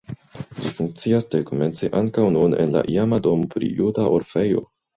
Ĝi funkcias dekomence ankaŭ nun en la iama domo pri juda orfejo.